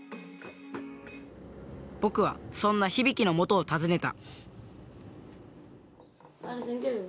僕はそんなひびきのもとを訪ねた。